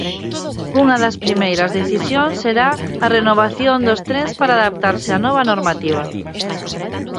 Unha das primeiras decisións será a renovación dos trens para adaptarse á nova normativa.